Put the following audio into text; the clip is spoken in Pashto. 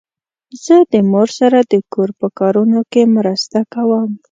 زه د مور سره د کور په کارونو کې مرسته کوم.